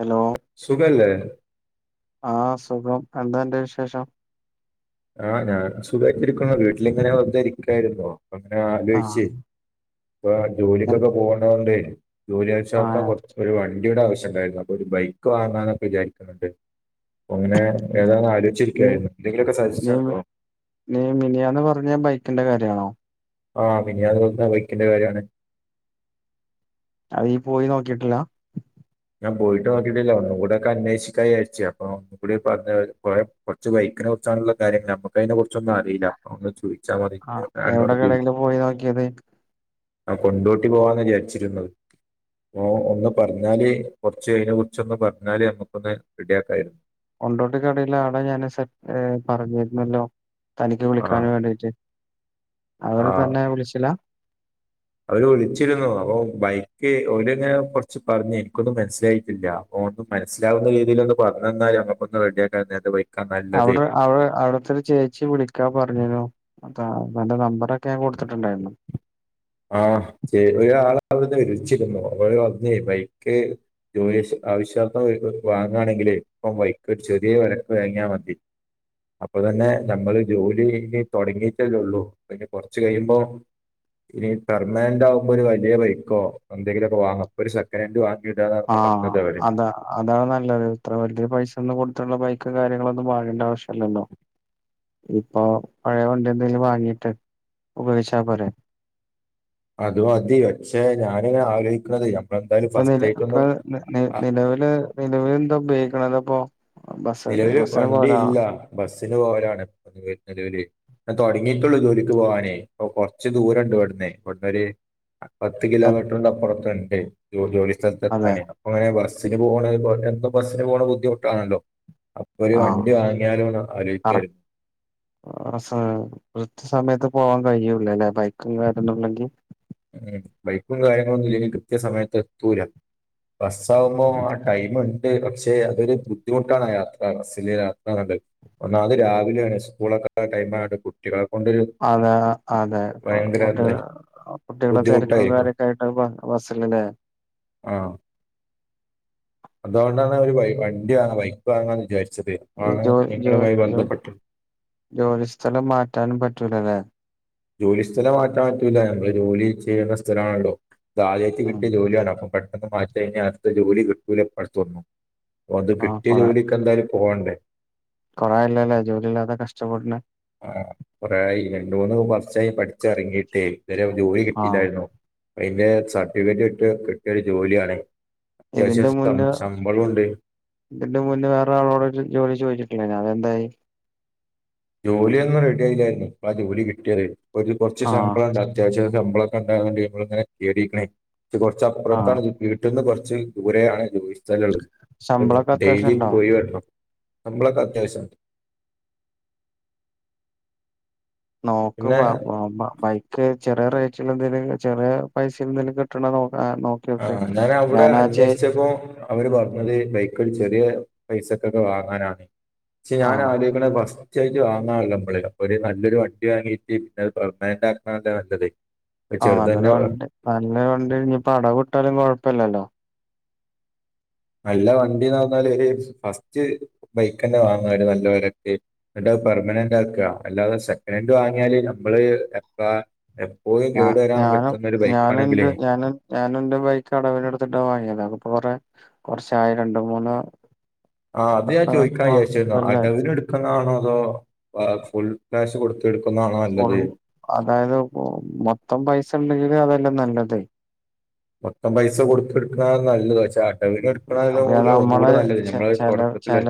Hello സുഖല്ലേ ആ സുഖം എന്താ അന്റെ വിശേഷം ആഹ് ഞാൻ സുഖയിട്ടിരിക്കുന്നു വീട്ടിലിങ്ങനെ വെറുതെ ബരിക്കായിരുന്നോ അപ്പം ഞാൻ ആ ആലോചിച്ചച്ച് ഇപ്പ ഞാൻ ജോലിക്കൊക്കെ പോണോണ്ട് ആ ജോലിയാഴ്ചക്കാ കുറച്ച് പരിപാടി വണ്ടിയുടെ ആവശ്യംണ്ടായിരുന്നു അപ്പൊ ഒരു ബൈക്ക് വാങ്ങാന്നൊക്കെ വിചാരിക്കുന്നുണ്ട് അപ്പം അങ്ങനെ ഏതാ നീ ആലോിച്ചിരിക്കായിരുന്നു എന്തെങ്കിലൊക്കെ സാച് നീ മി- നീ മിനിയാന്ന് പറഞ്ഞ ബൈക്കിന്റെ കാര്യണോ ആഹ് മിനിഞ്ഞാന്ന് [unintelligible] ആ ബൈക്കിന്റെ കാര്യണ് അത് യീ പോയി നോക്കിയിട്ടില്ല ഞാൻ പോയിട്ട് നോക്കിട്ടില്ല ഒന്നു കൂടൊക്കെ അന്വേഷിക്കാന്ന്വിചാരിച്ചു അപ്പൊ കൂടി പറഞ്ഞത് കൊറേ കൊർച്ച് ബൈക്കിനെ കുറിച്ചാണുള്ള കാര്യങ്ങൾ നമുക്ക് അതിനെ കുറിച്ചൊന്നും അറീല ആ ഒന്ന് ചോയ്ച്ചമതി ആ എവിടെ [unintelligible] കടയില് പോയി നോക്കിയത് ആ കൊണ്ടോട്ടി പോവാന്നാ വിചാരിച്ചിരുന്നത് ഓൻ ഒന്ന് പറഞ്ഞാല് കൊർച്ചയിനെ കുറിച്ചൊന്ന് പറഞ്ഞാല് നമ്മുക്കൊന്ന് റെഡിയാക്കായിരുന്നു കൊണ്ടോട്ടികടേല് ആടെ ഞാന് സെ ഏ പറഞ്ഞിരുന്നല്ലോ തനിക്ക് ആ വിളിക്കാൻ വേണ്ടിട്ട് ആ അവര് തന്നെ വിളിച്ചില്ല അവര് വിളിച്ചിരുന്നു അപ്പൊ ബൈക്ക് ഓര്ങ്ങനെ കൊർച്ച് പറഞ്ഞ് എനിക്കൊന്നും മനസ്സിലായിട്ടില്ല ഓ ഒന്ന് മനസ്സിലാവുന്ന രീതിയില ഒന്ന് പറു താ ഞങ്ങപ്പോ ഒന്ന് റെടിയാക്കാന്ന് [unintelligible] അവിടെ അവിടെ അവിടുത്തെരു ചേച്ചി ച്ചി വിളിക്കാ പറഞ്ഞിരുന്നു അതാ എന്റെ നമ്പറൊക്കെ ഞാൻ കൊടുത്തിട്ടുണ്ടായിരുന്നു ആഹ് ചെറിയാളവിടന്ന് വിളിച്ചിരുന്നു അവര് വന്ന് ബൈക്ക് ജോലി ശ്യ ആവശ്യാർത്ഥം വാങ്ങാണെങ്കില് ഇപ്പം ബൈക്ക് ചെറിയ വെലക്ക് വാങ്ങിയാൽ മതി അപ്പൊ തന്നെ നമ്മള് ജോലിചെയ്ത് തൊടങ്ങീട്ടല്ലേള്ളൂ പിന്നെ കൊർച്ച് കഴിയുമ്പോ ഇനി പെർമനന്റാവുമ്പോ ഒരു വലിയ ബൈക്കോ എന്തെങ്കിലുമൊക്കെ വാങ്ങാ ഒരു സെക്കൻഡ് ഹൻഡ് ആ വാങ്ങി [unintelligible] അതാ അതാണ് നല്ലത് ഇത്ര വലിയ പൈസൊന്നും കൊടുത്തിട്ടുള്ള ബൈക്ക് കാര്യങ്ങളൊന്നും വാങ്ങണ്ട ആവശ്യല്ലല്ലോ ഇപ്പൊ പഴയവണ്ടി എന്തെങ്കിലും വാങ്ങിട്ട് ഉപയോഗിച്ചാ പോരെ അത്മതി പക്ഷേ ഞാനിങ്ങനെ ആലോയിക്ക്ണത് ഞാൻ ഇപ്പൊ നില ഇപ്പൊ നിലവില് നിലവില് എന്താ ഉപയോഗിക്കണത്പ്പോ നിലവില് വണ്ടി ഇല്ല ബസിന് പോവലാണ് നിലവില് തുടങ്ങീട്ടൊള്ളൂ ജോലിക്ക് പോവാനേ അപ്പൊ കൊർച്ച് ദൂരണ്ട് ഇവിടുന്നേ ഇവിടന്നൊരു പത്ത് കിലോമീറ്ററിന്റെ അപ്പുറത്തുണ്ട് ജോലി ജോലിസ്ഥഥലത്ത് അതെ എത്താന് അങ്ങനെ ബസ്സിന് പോണെ [unintelligible] ബസ്സിന് പോണത് ബുദ്ധിമുട്ടാണല്ലോ ഒരു ആഹ് വണ്ടി വാങ്ങിയാലോന്ന് കറക്റ്റ് ആലോയ്ക്കാരുന്നു [unintelligible] കൃത്യ സമയത്ത് പോവാൻ കഴിയൂലല്ലേ ബൈക്കും കാര്യങ്ങളും ഉണ്ടെങ്കി ഉം ബൈക്കും കാര്യങ്ങളൊന്നും ഇല്ലെങ്കിൽ കൃത്യ സമയത്ത് എത്തൂലാ ബസ്സാവുമ്പോ ആഹ് ടൈമ് [unintelligible] പക്ഷേ അതൊരു ബുദ്ധിമുട്ടാണ് ആഹ് യാത്ര ബസ്സില യാത്രാന്നുള്ളത് ഒന്നാമത് രാവിലെ ആണ് സ്കൂളൊക്കെ ടൈമായോണ്ട് കു കുട്ടികളെ കൊണ്ടൊരു അതെ അതെ ഭയങ്കര ഇത് കുട്ടികള് കുട്ടികളെ തെരക്കും ബുദ്ധിമുട്ടായിരിക്കും കാര്യൊക്കെ ആയിട്ട് ബസ്സിലല്ലേ ആഹ് അതോണ്ടാണ് ഒര് വണ്ടി വാങ്ങാ ബൈക്ക് വാങ്ങാന്ന് വിചാരിച്ചത് അതാണ് നിങ്ങളുമായി ബന്ധപ്പെട്ട് ജോലിസ്ഥലം മാറ്റാനും പറ്റൂലല്ലേ ജോലി സ്ഥലം മാറ്റാൻ പറ്റൂല നമ്മള് ജോലി ചെയ്യുന്ന സ്ഥലമാണല്ലോ ഇതാദ്യായിട്ട് ഉം കിട്ടിയ ജോലിയാണ് അപ്പം പെട്ടെന്ന് മാറ്റി കഴിഞ്ഞാ അടുത്ത ജോലി കിട്ടൂലപ്പ അടുത്തൊന്നും അത് ആഹ് കിട്ടിയ കൊറേ ജോലിക്ക് എന്തായാലും പോവണ്ടേ കൊറേ ആയല്ലല്ലേ ജോലി ഇല്ലാതെ കഷ്ടപ്പെടണ് ആഹ് കുറേയായി രണ്ട് മൂന്ന് വർഷായി പഠിച്ച് ഇറങ്ങിയിട്ടേ ഇതുവരെ ജോലി ആഹ് കിട്ടിയില്ലായിരുന്നു അയ്ന്റെ സർട്ടിഫിക്കറ്റ് കിട്ടിയ കിട്ടിയൊരു ജോലിയാണെ ഇതിന്റെ അത്യാവശ്യം മുന്നേ ശമ്പളൂണ്ട് ഇതിന്റെ മുന്നേ വേറെ ആളോട് ജോലി ചോദിച്ചിട്ടില്ലേയ്ന്നൊ അതെന്തായി ജോലിയൊന്നും റെഡി ആയില്ലായിരുന്നു ഇപ്പം ജോലി കിട്ടിയത് ഒരു കുറച്ച് ആഹ് ശമ്പളം ഉണ്ട് അത്യാവശ്യം ഒക്കെ ശമ്പളമൊക്കെ [unintelligible] ആഹ് കുറച്ചപ്പുറത്താണ് ഇത് കിട്ടി വീട്ടിന്ന് കൊർച്ച് ദൂരെയാണ് ജോലി സ്ഥലം ഉള്ളത് അപ്പോ ശമ്പളൊക്കെ അത്യാവശ്യം ഡെയിലി ഉണ്ടോ പോയി വരണം ശമ്പളൊക്കെ അത്യാവശ്യണ്ട് നോക്ക് ബ പിന്നെ ബ ബൈക്ക് ചെറിയ റേറ്റിൽ എന്തേലും ചെറിയ പൈസേൽ എന്തേലും കിട്ടണ നോ നോ ആഹ് ഞാൻ അവിടെ അന്വേഷിച്ചപ്പോ അവര് പറഞ്ഞത് ബൈക്ക് ചെറിയ പൈസക്കൊക്കെ വാങ്ങാനാണ് പക്ഷെ ഞാൻ ആഹ് ആലോചിക്കണെ ബസ് തീർച്ചയായിട്ട് വാങ്ങാലോ നമ്മള് അപ്പൊ ഒരു നല്ലൊരു വണ്ടി വാങ്ങീയിട്ട് [unintelligible] നല്ലത് ഇപ്പൊ ആഹ് നല്ലൊരു ചെറുതന്നെ വണ്ടി നല്ലൊരു വണ്ടി ഇനിയിപ്പം അടവ് ഇട്ടാലും കൊഴപ്പില്ലല്ലോ നല്ല വണ്ടീന്ന് പറഞ്ഞാല് ഒരു ഫസ്റ്റ് ബൈക്ക് തന്നെ വാങ്ങാര് നല്ല വിലക്ക് എന്നിട്ട് അത് പെർമനന്റ് ആക്കുക അല്ലാതെ സെക്കൻഡ് ഹാൻഡ് വാങ്ങിയാല് നമ്മള് എപ്പ എപ്പോഴും ഞാ കേടു വരാൻ പറ്റുന്ന ഒരു ബൈക്കാണെങ്കിലേ ഞാൻ എന്റെ ബൈക്ക് അടവിന് എടുത്തിട്ടാ വാങ്ങിയത് അപ്പോ കൊറേ കുറച്ചായെ രണ്ട് മൂന്ന് ആഹ് അത് ഞാൻ ചോദിക്കാൻ ഇപ്പൊ വിചാരിച്ചിരുന്നു കൊല്ലായി അടവിന് എടുക്കുന്നതാണോ അതോ ഫുൾ ക്യാഷ് കൊടു എടുക്കുന്നതാണോ നല്ലത് അതായത് മൊത്തം പൈസ ഉണ്ടെങ്കില് അതല്ലേ നല്ലത് മൊത്തം പൈസ കൊടുത്ത് എടുക്കണതാ നല്ലത് പക്ഷെ അടവിന് എടുക്കണാലോ അപ്പൊ നമ്മള് ഒന്നുകൂടെ നല്ലത് നമ്മള് തുടക്കത്തില്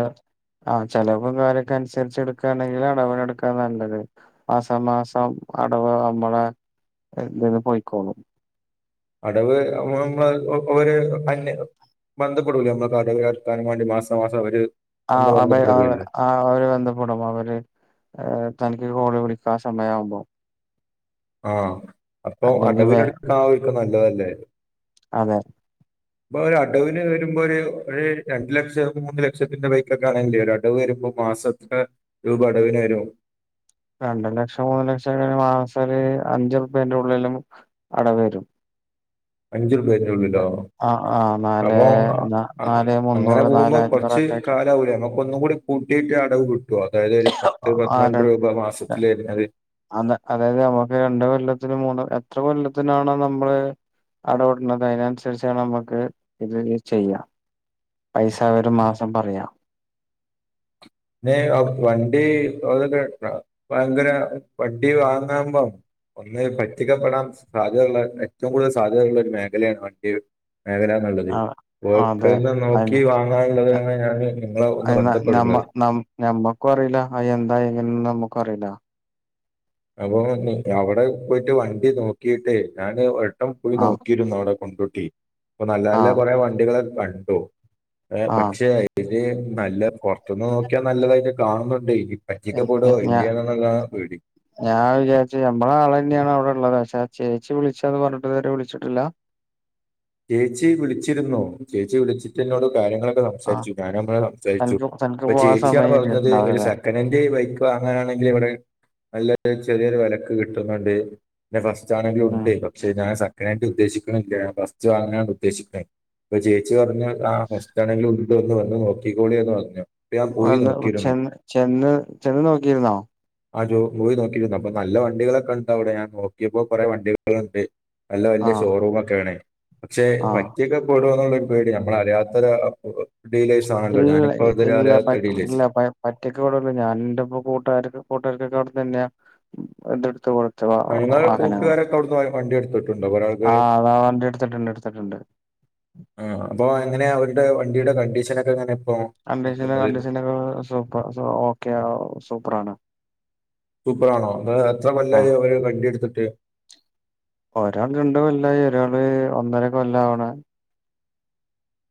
ആഹ് ചിലവും കാര്യമൊക്കെ അനുസരിച്ച് എടുക്കുകയാണെങ്കിൽ അടവിന് എടുക്കാ നല്ലത് മാസാ മാസം അടവ് നമ്മള് ഇതീന്ന് പൊയ്ക്കോളും അടവ് നമ്മള് ഒര് അന്യ ബന്ധപ്പെടൂലെ [unintelligible] വേണ്ടി മാസം മാസം അവര് വന്ന് ആഹ് അപ്പം ആഹ് ബന്ധപ്പെടുകയല്ലേ ആഹ് അവര് ബന്ധപ്പെടും അവര് തനിക്ക് കോള് വിളിക്കാൻ സമയമാവുമ്പോ ആഹ്, അപ്പൊ അല്ലെങ്കിൽ വേ അടവിനെടുക്കാവിക്കും നല്ലതല്ലേ അതെ അപ്പൊ ഒരുഅടവിന് വരുമ്പോലൊരുരണ്ടു ലക്ഷം മൂന്നുലക്ഷത്തിന്റെ ബൈക്കൊക്കെയാണെങ്കിലേയൊരടവു വരുമ്പം മാസമെത്ര രൂപ അടവിനു വരും. രണ്ടു ലക്ഷം മൂന്നുലക്ഷംഒരു മാസമൊരു അഞ്ചുർപ്പികേന്റെയുള്ളിലും അടവുവരും അഞ്ചുർപ്പിന്റെയുള്ളിലോ ആ ആ നാല് അപ്പോൾ നാല് അങ്ങനെ മുന്നൂറ് നാല് പോകുമ്പോൾ കുറച്ച്.. അഞ്ഞൂറൊക്കെ ആയിട്ട് കാലാവധിയാകും ഒന്നും കൂടി കൂട്ടിയിട്ട് അടവു കിട്ടുവോ അതായതൊരു പത്ത് പന്ത്രണ്ടു രൂപാമാസത്തില്‌ അത് ആന്ന്, അതായത് നമ്മുക്ക് രണ്ടു കൊല്ലത്തിനും മൂന്ന് എത്ര കൊല്ലത്തിനുമാണ് നമ്മള് അടവു വരുന്നത്, അതിനനുസരിച്ചാണ് നമുക്കിതു ചെയ്യാം. പൈസായൊരു മാസം പറയാം വണ്ടി, അതൊക്കെ ഭയങ്കര വണ്ടി വാങ്ങുമ്പം ഒന്ന് പറ്റിക്കപ്പെടാൻ സാധ്യതയുള്ള ഏറ്റവും കൂടുതൽ സാധ്യതയുള്ളൊരു മേഖലയാണുവണ്ടിയെ മേഖലാ നല്ലതേ ആ അതെ പോയിട്ടൊന്ന് നോക്കി അതി വാങ്ങാനുള്ളതാണ് ഞാ ന് നിങ്ങളെയൊന്ന് ബന്ധപ്പെടുന്നത് ഞമ്മക്കും അറിയില്ല, അതെന്താഎങ്ങനെയെന്ന് നമ്മക്കും അറിയില്ല അപ്പൊ അവിടെ പോയിട്ടു വണ്ടി നോക്കിയിട്ടേ ഞാനിവി ഇപ്പം പോയി ആഹ് നോക്കിയിരുന്നു അവിടെ പോയി നോക്കിയപ്പൊ നല്ല നല്ല ആഹ് കുറെ വണ്ടികളൊക്കെകണ്ടു. ഏ.. ആഹ് പക്ഷെയിതില് നല്ല പുറത്തുനിന്നുനോക്കിയാ നല്ല തൊക്കെകാണുന്നുണ്ടേലും പറ്റിക്കപ്പെടുവോ ഞ യില്ലയോന്നുള്ളതാ പേടി ഞാൻ വിചാരിച്ചു, ഞമ്മടെയാ ളുതന്നെയാണവിടെയുള്ളത് പക്ഷെയാ ചേച്ചി വിളിച്ചതുപറഞ്ഞിട്ടിതുവരെ വിളിച്ചിട്ടില്ലാ ചേച്ചി വിളിച്ചിരുന്നു. ചേച്ചി വിളിച്ചിട്ടെന്നോടു കാര്യങ്ങളൊ ആഹ് സംസാരിച്ചു. ഞാനുമായി സംസാരിച്ചു, തനിക്ക് തനിക്ക് അപ്പൊ പോവാൻ സമയം ചേച്ചിയാണ്പറഞ്ഞത് ഒരു സ കിട്ടിയിട്ടുണ്ടാവൂലല്ലേ നെനക്ക് ബൈക്കുവാങ്ങാനാണങ്കിലിവിടെ നല്ലൊരു ചെറിയൊരു വിലക്ക് കിട്ടുന്നുണ്ട് എറെ ഫസ്റ്റാണെങ്കിലും ഉം ഉണ്ട്. പക്ഷെ ഞാ [inaudible] ൻ സക്കനായിട്ട് ഉദ്ദേശിക്കുന്നില്ല ബസ്‌വാങ്ങാണുദ്ദേശിക്കുന്നത്. അപ്പൊ ചേച്ചി പറഞ്ഞു ആ ഹോസ്റ്റലിലൊരു.. ഇന്നു വന്നുനോക്കിക്കോളിയെന്നുപറഞ്ഞു. വന്ന് ചെന്ന്, ചെന്ന്, ചെന്നുനോക്കിയിരുന്നോ ആ ജോയി പോയി നോക്കിയിരുന്നു. അപ്പൊ നല്ല വണ്ടികളൊക്കെയുണ്ടവിടെ. ഞാൻ നോക്കിയപ്പോ കുറെ വണ്ടികളുണ്ട്. നല്ല ആഹ് വലിയഷോറൂമൊക്കെആണേആണ് ആഹ് പക്ഷെപറ്റിക്കപ്പെടുവോ ന്നൊരു.. പേടി, നമ്മളറിയാത്തൊരു ഡീലേഴ്സ് ആണല്ലോ ഞാനിപ്പോ ഇത്വരെ അറിയാത്ത ഡീലേഴ്സ് ഒറ്റക്ക്ക്കൂടുല ഞാനെന്റെ യിപ്പ കൂട്ടുകാർ, കൂട്ടുകാർക്കൊക്കെ അവിടുന്നുതന്നെയാ വണ്ടിയെടുത്ത് [unintelligible] നിങ്ങൾ വാഹനങ്ങളോ കൂട്ടുകാരൊക്കെ അവിടുന്ന് വ- വണ്ടി എടുത്തിട്ടുണ്ടോ കുറെ ആൾക്കാർ ആഹ്... അതാ വണ്ടിയെടുത്തിട്ടുണ്ടെടുത്തിട്ടുണ്ട് ആഹ്.. അപ്പൊയെങ്ങനെയാ, അവരുടെ വണ്ടിയുടെ കണ്ടീഷനൊക്കെയെങ്ങനെയിപ്പോ കണ്ടീഷന്, കണ്ടീഷനൊക്കെ സൂപ്പർ, ഓക്കെയാ സൂപ്പറാണ് സൂപ്പറാണോ, അത് എത്ര കൊല്ലായി ആഹ് ഓല് വണ്ടിയെടുത്തിട്ട് ഒരാൾ രണ്ടുകൊല്ലായി, ഒരാള് ഒന്നരകൊല്ലവണ്.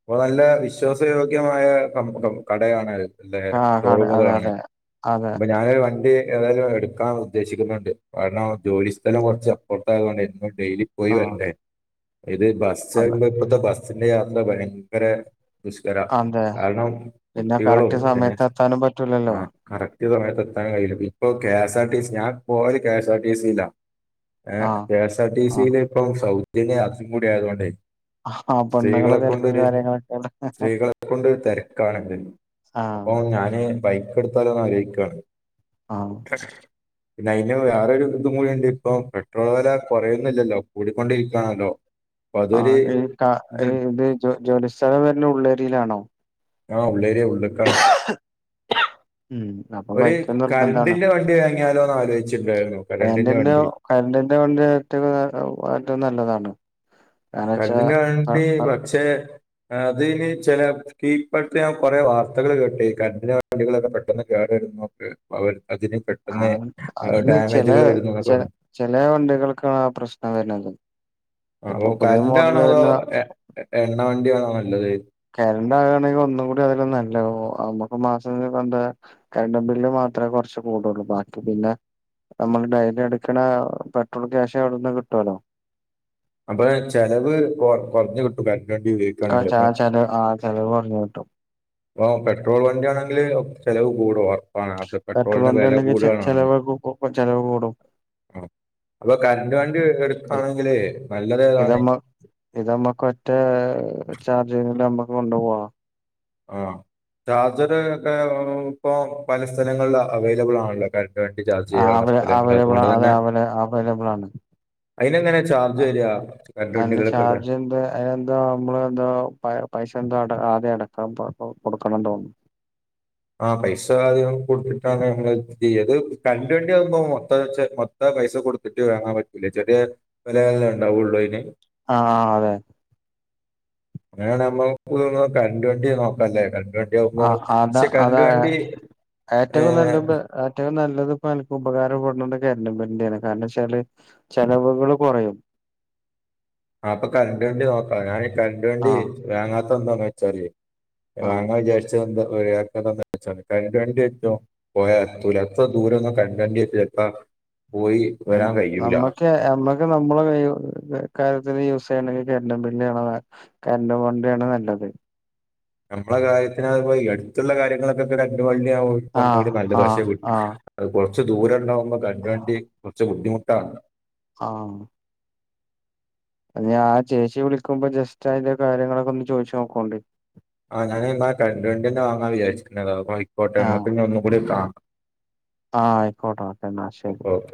അപ്പോ നല്ല വിശ്വാസയോഗ്യമായ കം.. കം.. കടയാണത് അതെ ആഹ് കട അതെ ഷോറൂമുകളാണ് അതെ. അതെ അപ്പൊ ഞാനൊരുവണ്ടി ഏതായാലുമെടുക്കാൻ ഉദ്ദേശിക്കുന്നുണ്ട്. കാരണം ജോലിസ്ഥലം കുറച്ചപ്പുറത്തായതുകൊണ്ടേ, ഡെയ്ലി ആഹ് പോയിവരണ്ടേ, ഇത് ബസ്സ്, അതെ പറിമ്പോ ഇപ്പളത്തെ ബസ്സിന്റെ യാത്ര ഭയങ്കര ദുഷ്കരാ അതെ കാരണം പിന്നെ കുട്ടികളും കറക്റ്റ് പിന്നെ സമയത്ത് എത്താനും പറ്റൂലല്ലോ. ആഹ്.. കറക്റ്റു സമയത്ത് എത്താൻ കഴിയില്ല. ഇപ്പോ K. S. R. T. C, ഞാൻ പോവല് കെ. എസ്. ആർ. ടി. സിയി ലാ ആഹ് K. S R. T. C ആഹ് യിലിപ്പം സൗജന്യ യാത്ര കൂടിയായതുകൊണ്ടേ ആ പൊണ്ണുങ്ങളെ തെര സ്ത്രീകളെ കൊണ്ടു തെരക്കാണത് അപ്പോ ആഹ് ഞാനെ ബൈക്കെടുത്താലോ ന്നാലോചിക്കുവ ആ [unintelligible] പിന്നെയിനു വേറൊരിതും കൂടിയുണ്ട്, ഇപ്പൊ പെട്രോൾ വില കുറയുന്നില്ലല്ലോ, കൂടിക്കൊണ്ടിരിക്കുയാണല്ലോ ആഹ് ഈ [unintelligible] ഇത് ജോലിസ്ഥലം വരുന്നേ ഉള്ളേരിയിലാണോ ആഹ് ഉള്ളേരിയാ ഉള്ള്ക്കാണ് [unintelligible] ഉം അപ്പൊ ഒരു ബൈക്ക് നിർബന്ധണ് കറണ്ടിന്റെ വണ്ടി വാങ്ങിയാലോ എന്ന് ആലോചിച്ചിട്ടുണ്ടായിരുന്നു കറണ്ടിന്റെ ഏൻ്റെന്നു വണ്ടി കരണ്ടിന്റെ വണ്ടി ഏറ്റവും ഏറ്റവും നല്ലതാണ് കാരണം വെച്ചാ കറൻ്റിൻെറ അ വണ്ടി അ പക്ഷെ അതിന് ചെല ഇപ്പടുത്ത് ഞാൻ കൊറെ വാർത്തകൾ കേട്ട് കറൻ്റിൻറെ വണ്ടികളൊക്കെ പെട്ടെന്ന് കേട് വരും എന്നൊക്കെ അവ അതിന് പെട്ടെന്ന് ആഹ് അത് ചെലെ ഡാമേജുകൾ വരുന്നു എന്നൊക്കെ പറഞ്ഞു ചെലെ വണ്ടികൾക്കാണ് ആ പ്രശ്നം വരുന്നത് അ ഇപ്പൊ ഓ പുതിയ കറൻ്റാണോ മോഡല് അതോ വരുന്ന എണ്ണ വണ്ടിയാണോ നല്ലത് കറൻ്റ് ആവുകയാണെങ്കിൽ ഒന്നും കൂടി അതല്ലെ നല്ലത് നമുക്ക് മാസം എന്താ കരണ്ട് ബില്ല് മാത്രമേ കോറച്ച് കൂടുള്ളൂ ബാക്കി പിന്നെ നമ്മൾ ഡെയിലി അടക്കണ പെട്രോൾ ക്യാഷ് അവിടെന്ന് കിട്ടുല്ലോ അപ്പൊ ചെലവ് കൊ കൊറഞ്ഞു കിട്ടും കരണ്ട് വണ്ടി ഉപയോഗി ആഹ് ച ചെലവ് ആഹ് ചെലവ് കുറഞ്ഞ് കിട്ടും പോ പെട്രോൾ വണ്ടിയാണെങ്കില് ചെലവ് കൂടുവാ ആ അത് പെട്രോൾ പെട്രോളിന്റെ വണ്ടി വില ഉണ്ടെങ്കിൽ ചെ കൂടുതലാണല്ലോ ചെലവ് ചെലവ് കൂടും ആഹ് അപ്പൊ കറണ്ട് വണ്ടി എടുക്കവാണെങ്കില് നല്ലത് ഏതാണ് ഇതമ്മ ഇതമ്മക്ക് ഒറ്റ ചാർജിങ്ങ്ല് നമ്മക്ക് കൊണ്ടുപോവാ ആഹ് ചാർജർ ഒക്കെ ഇപ്പൊ പല സ്ഥലങ്ങളിൽ അവൈലബിൾ ആണല്ലോ കര വണ്ടി ചാർജ് അവ ചെയ്യാനുള്ള സ്ഥലങ്ങൾ അവൈലബിൾ അതുകൊണ്ട് അത് തന്നെ അവ അവൈലബിൾ ആണ് അയിന് എങ്ങനെ ചാർജ് വരാ അന് ചാർജ് എന്ത് അയിനെന്തോ അമ്മള് എന്തോ പ പൈസ എന്തോ അടെ ആദ്യം അടക്കന കൊടുക്കണം തോന്നുന്നു ആഹ് പൈസ ആദ്യം കൊടുത്തിട്ടാണ് ഞങ്ങൾ ചെയ്യ അത് കരണ്ടുവണ്ടിയാകുമ്പോൾ മൊത്തം വ മൊത്തം പൈസ കൊടുത്തിട്ട് വാങ്ങാൻ പറ്റൂലെ ചെറിയ വെലയല്ലെ ഉണ്ടാവുള്ളൂ അയി ന് ആഹ് അതെ അങ്ങനെആആണൊ നമ്മക്ക് കറണ്ട് വണ്ടി നോക്കാല്ലേ കരണ്ട് വണ്ടി ആഹ് [unintelligible] അത പക്ഷെ കറൻ്റ് അതാ വേണ്ടി ഏ ഏറ്റവും നല്ല ഏറ്റവും നല്ലത് ഇപ്പ അനക്ക് ഉപകാരപ്പെടുന്നുണ്ട് കറൻ്റ് വണ്ടിയാണ് കാരണം ച്ചാല് ചെലവുകൾ കുറയും ആഹ് അപ്പൊ കറണ്ട് വണ്ടി നോക്കാം ഞാൻ ഈ കറൻ്റ് വണ്ടി ആഹ് വാങ്ങാത്ത എന്താന്നന്ന് വെച്ചാല് ആഹ് വാങ്ങ വിചാരിച്ചത് ന്താ [unintelligible] കരണ്ട് വണ്ടി ഏറ്റും പോയാ എത്തൂല എത്ര ദൂരം ഒന്നും കറൻ്റ് വണ്ടി [unintelligible] പോയി വരാൻ കഴിയൂല നമ്മക്ക് നമ്മ നമ്മള [unintelligible] കാര്യത്തിന് യൂസ് ചെയ്യണെങ്കിൽ കറൻ്റ് വണ്ടി ആണ് [unintelligible] കറൻ്റ് വണ്ടി ആണ് നല്ലത് നമ്മളെ കാര്യത്തിന് ഇപ്പോ ഈ അടുത്തുള്ള കാര്യങ്ങളൊക്കെ കരണ്ട് വണ്ടിയാണ് കുറച്ച് കൂടി ആഹ് നല്ലത് ആഹ് പക്ഷേ വിട്ടു ആഹ് അത് കുറച്ച് ദൂരം ഉണ്ടാവുമ്പോ കരണ്ട് വണ്ടി കുറച്ച് ബുദ്ധിമുട്ടാണ് ആഹ് ആഹ് ചേച്ചി വിളിക്കുമ്പോ ജസ്റ്റ് അതിന്റെ കാര്യങ്ങളൊക്കെ ഒന്ന് ചോദിച്ചു നോക്കോണ്ടി ആഹ് ഞാന് എന്നാ കരണ്ട് വണ്ടി തന്നെ വാങ്ങാ വിചാരിച്ചക്കണ് അപ്പയിക്കോട്ടെ ആഹ് നമ്മക്ക് ഒന്നു കൂടി കാണാം ആഹ് ആയിക്കോട്ടെ ഒക്കെ എന്നാ ശരി ഓക്കെ